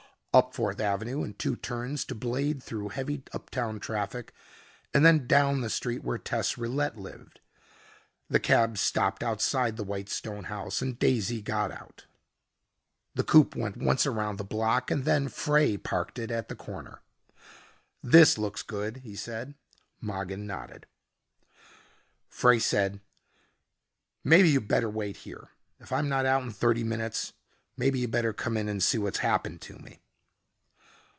Up Fourth avenue and two turns to blade through heavy uptown traffic and then down the street where Tess Rillette lived. The cab stopped outside the white stone house and Daisy got out. The coupe went once around the block and then Frey parked it at the corner. "This looks good," he said. Mogin nodded. Frey said, "Maybe you better wait here. If I'm not out in thirty minutes maybe you better come in and see what's happened to me."